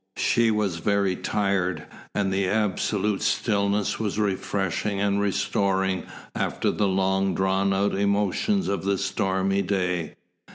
She was very tired, and the absolute stillness was refreshing and restoring after the long drawn out emotions of the stormy day.